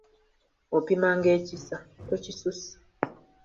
Opimanga ekisa, tokisussa.